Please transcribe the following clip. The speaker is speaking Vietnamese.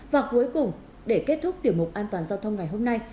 và cuối cùng để kết thúc tiểu mục an toàn giao thông ngày hôm nay